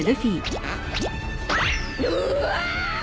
うわ！